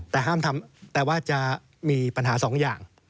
แต่ว่าจะมีปัญหาสองอย่าง